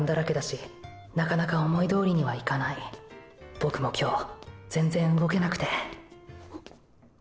ボクも今日全然動けなくてう。